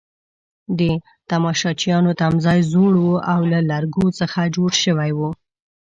د تماشچیانو تمځای زوړ وو او له لرګو څخه جوړ شوی وو.